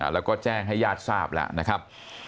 แล้วก็แจ้งให้ญาติทราบแล้วนะครับ